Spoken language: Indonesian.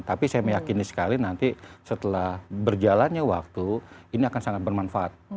tapi saya meyakini sekali nanti setelah berjalannya waktu ini akan sangat bermanfaat